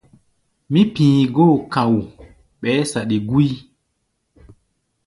Mí pi̧i̧ góo ka̧u̧u̧, ɓɛɛ́ saɗi gúí.